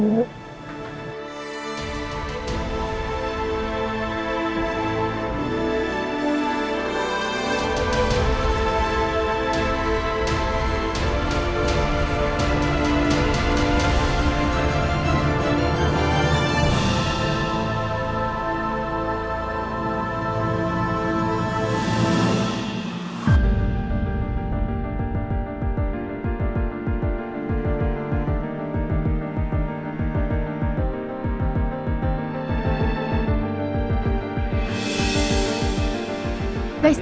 kamu di sini